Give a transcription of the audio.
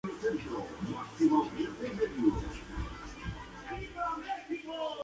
Finalmente, fue víctima de la crisis económica y quebró.